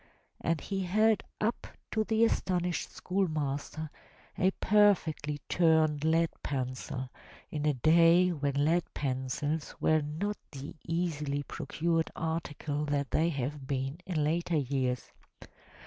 And he held up to the astonished schoolmaster a perfectly turned lead pencil in a day when lead pencils were not the easily pro cured article that they have been in later years.